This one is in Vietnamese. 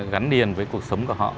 gắn liền với cuộc sống của họ